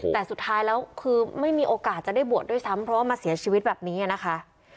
แต่สุดท้ายแล้วคือไม่มีโอกาสจะได้บวชด้วยซ้ำเพราะว่ามาเสียชีวิตแบบนี้นะคะ